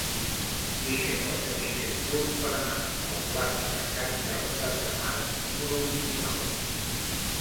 Quin és el camí més curt per anar a la plaça de Can Galta Cremat número vint-i-nou?